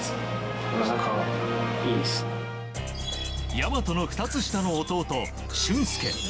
大和の２つ下の弟、駿恭。